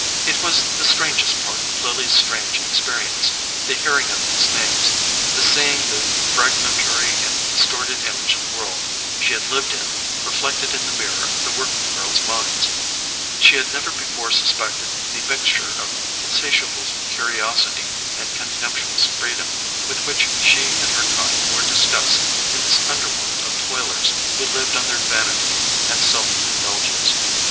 It was the strangest part of Lily's strange experience, the hearing of these names, the seeing the fragmentary and distorted image of the world she had lived in reflected in the mirror of the working girls' minds. She had never before suspected the mixture of insatiable curiosity and contemptuous freedom with which she and her kind were discussed in this underworld of toilers who lived on their vanity and self indulgence.